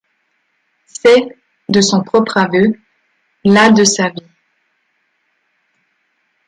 C'est, de son propre aveu, la de sa vie.